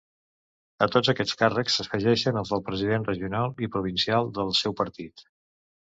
A tots aquests càrrecs, s'afegixen els de president regional i provincial del seu partit.